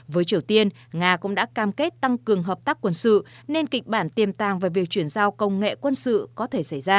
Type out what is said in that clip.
với triều tiên nga cũng đã cam kết tăng cường hợp tác quân sự nên kịch bản tiềm tàng về việc chuyển giao công nghệ quân sự có thể xảy ra